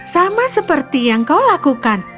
sama seperti yang kau lakukan